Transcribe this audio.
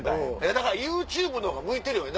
だからＹｏｕＴｕｂｅのほうが向いてるよね。